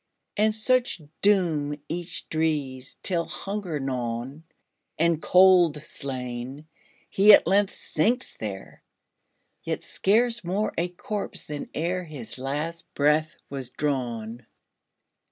And such doom each drees, Till, hunger gnawn, And cold slain, he at length sinks there, Yet scarce more a corpse than ereHis last breath was drawn.